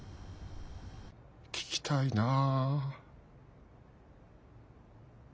聞きたいなあ。